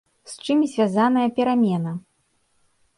З чым звязаная перамена?